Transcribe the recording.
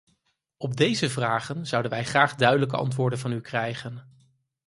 Op deze vragen zouden wij graag duidelijke antwoorden van u krijgen.